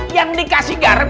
yang dikasih garam